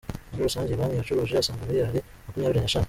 Muri rusange iyi banki yacuruje asaga miliyari makumyabiri n’eshanu.